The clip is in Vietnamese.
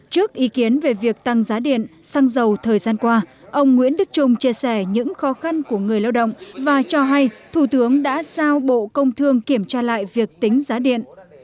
trước ý kiến về việc tăng giá điện xăng dầu thời gian qua ông nguyễn đức trung chia sẻ những khó khăn của người lao động và cho hay thủ tướng đã sao bộ công thương kiểm tra lại việc tính giá điện